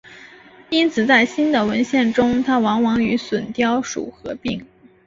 因此在新的文献中它往往与隼雕属合并。